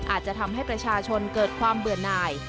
อาจจะทำให้ประชาชนเกิดความเบื่อหน่าย